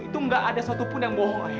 itu enggak ada satupun yang bohong ayah bener